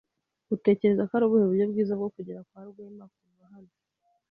Utekereza ko ari ubuhe buryo bwiza bwo kugera kwa Rwema kuva hano?